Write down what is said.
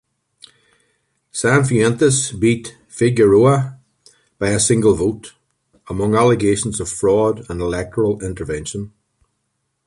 Sanfuentes beat Figueroa by a single vote, among allegations of fraud and electoral intervention.